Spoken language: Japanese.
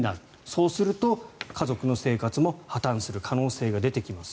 そうすると、家族の生活も破たんする可能性が出てきます。